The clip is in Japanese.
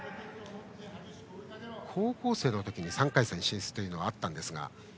高校生の時、３回戦進出があったんですが。